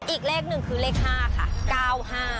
อีกเลขหนึ่งคือเลข๕ค่ะ๙๕